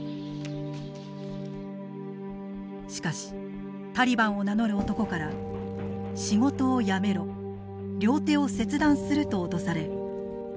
しかしタリバンを名乗る男から「仕事をやめろ」「両手を切断する」と脅されやむなく会社を閉鎖。